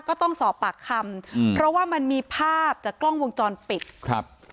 ก็ต้องสอบปากคำอืมเพราะว่ามันมีภาพจากกล้องวงจรปิดครับ